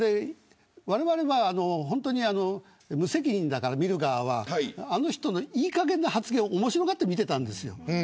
われわれは本当に無責任だから見る側はあの人の、いいかげんな発言を面白がって見ていたんですよ。